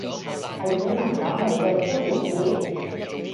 係指文檔裏嘅超連接？